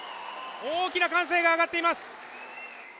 大きな歓声が上がっています。